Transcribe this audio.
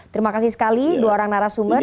terima kasih sekali dua orang narasumber